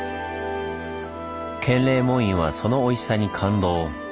建礼門院はそのおいしさに感動。